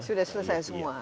sudah selesai semua